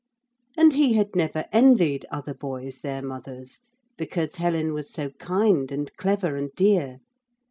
And he had never envied other boys their mothers, because Helen was so kind and clever and dear.